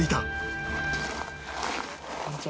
こんにちは。